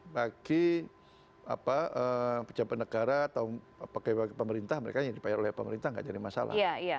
bagi pejabat negara atau pemerintah mereka yang dipayar oleh pemerintah tidak jadi masalah